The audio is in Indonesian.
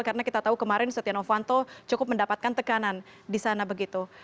karena kita tahu kemarin setia novanto cukup mendapatkan tekanan di sana begitu